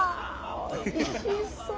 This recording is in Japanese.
おいしそう。